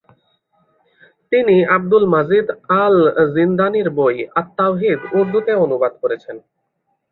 তিনি Abdul Majid আল-জিনদানির বই "আত তাওহীদ" উর্দুতে অনুবাদ করেছেন।